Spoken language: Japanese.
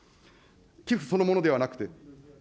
寄付そのものではなくて。